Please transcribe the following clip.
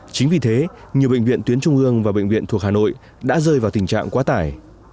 chính vì thế nhiều bệnh viện tuyến trung ương và bệnh viện thuộc hà nội đã rơi vào tình trạng quá tải